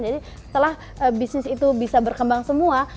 jadi setelah bisnis itu bisa berkembang semua